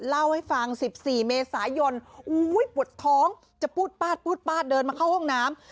เล่าให้ฟัง๑๔เมษายนอุ้ยปวดท้องจะปูดปาดปูดปาดเดินมาเข้าห้องน้ำ